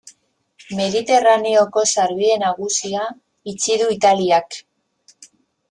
Mediterraneoko sarbide nagusia itxi du Italiak.